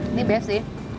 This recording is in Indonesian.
ini best sih